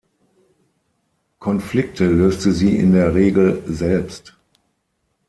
Konflikte löste sie in der Regel selbst.